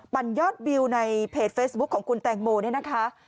ยอดวิวในเพจเฟซบุ๊คของคุณแตงโมเนี่ยนะคะ